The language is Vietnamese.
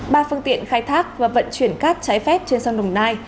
ba phương tiện khai thác và vận chuyển cát trái phép trên sông đồng nai